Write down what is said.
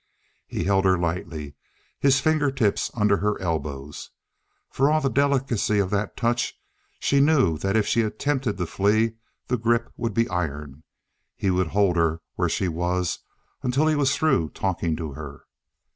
He held her lightly, his fingertips under her elbows. For all the delicacy of that touch, she knew that if she attempted to flee, the grip would be iron. He would hold her where she was until he was through talking to her.